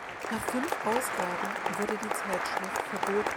Nach fünf Ausgaben wurde die Zeitschrift verboten.